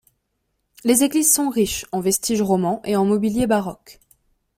Les églises sont riches en vestiges romans et en mobilier baroque.